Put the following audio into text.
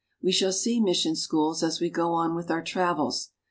We shall see mission schools as we go on with our travels.